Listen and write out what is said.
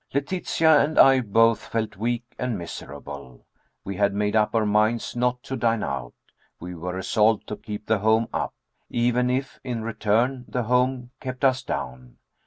Letitia and I both felt weak and miserable. We had made up our minds not to dine out. We were resolved to keep the home up, even if, in return, the home kept us down.